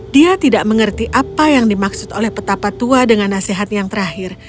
dia tidak mengerti apa yang dimaksud oleh petapa tua dengan nasihat yang terakhir